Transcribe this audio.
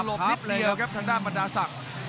เยี่ยวหลบนิดเดียวครับทางด้านบรรดาศักดิ์